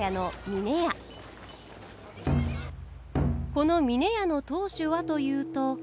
この峰屋の当主はというと。